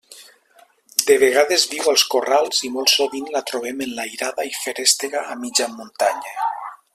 De vegades viu als corrals i molt sovint la trobem enlairada i feréstega a mitjan muntanya.